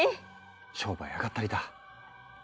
商売あがったりだ。